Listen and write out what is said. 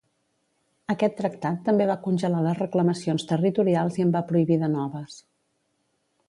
Aquest tractat també va congelar les reclamacions territorials i en va prohibir de noves.